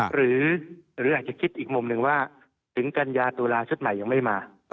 หรืออาจจะคิดอีกมุมหนึ่งว่าถึงกัญญาตุลาชุดใหม่ยังไม่มา